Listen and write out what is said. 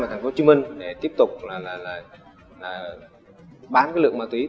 và thành phố hồ chí minh để tiếp tục bán lượng ma túy